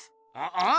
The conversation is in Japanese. ああ？